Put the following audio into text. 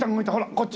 こっち